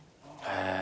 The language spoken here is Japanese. へえ。